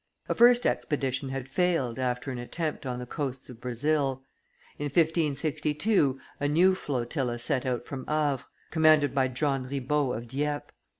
A first expedition had failed, after an attempt on the coasts of Brazil; in 1562, a new flotilla set out from Havre, commanded by John Ribaut of Dieppe.